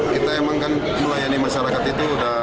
kita emang kan melayani masyarakat itu